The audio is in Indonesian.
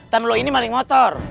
temen lu ini maling motor